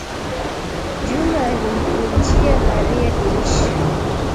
Juma alimvunjia Maria dirisha